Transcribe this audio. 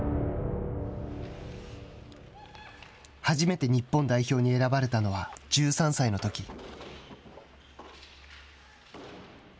初めて日本代表に選ばれたのは１３歳のとき。